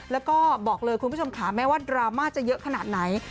แล้วก็บอกเลยคุณผู้ชมค่ะแม้ว่าดราม่าจะเยอะขนาดไหน